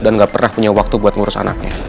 dan gak pernah punya waktu buat ngurus anaknya